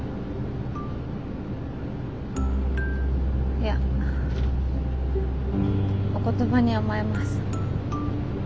いやお言葉に甘えます。